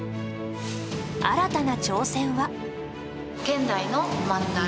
新たな挑戦は。